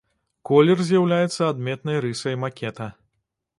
Колер з'яўляецца адметнай рысай макета.